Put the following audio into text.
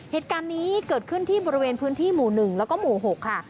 เหตุการณ์นี้เกิดขึ้นที่บริเวณพื้นที่หมู่๑แล้วก็หมู่๖ค่ะ